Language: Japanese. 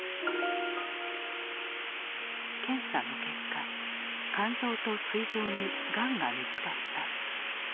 検査の結果肝臓とすい臓にがんが見つかった。